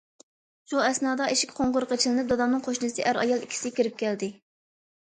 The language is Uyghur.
شۇ ئەسنادا ئىشىك قوڭغۇرىقى چېلىنىپ، دادامنىڭ قوشنىسى ئەر- ئايال ئىككىسى كىرىپ كەلدى.